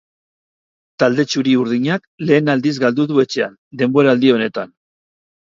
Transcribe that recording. Talde txuri-urdinak lehen aldiz galdu du etxean denboraldi honetan.